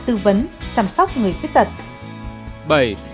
tư vấn chăm sóc người khuyết tật